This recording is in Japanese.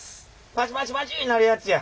パチパチパチなるやつや。